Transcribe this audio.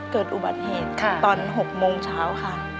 เกิดอุบัติเหตุตอน๖โมงเช้าค่ะ